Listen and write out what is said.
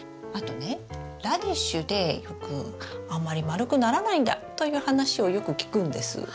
あとねラディッシュでよくあんまり丸くならないんだという話をよく聞くんです。